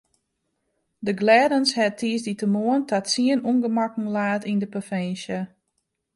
De glêdens hat tiissdeitemoarn ta tsien ûngemakken laat yn de provinsje.